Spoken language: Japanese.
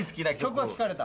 曲は聴かれた？